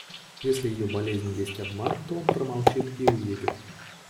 Если ее болезнь есть обман, то он промолчит и уедет.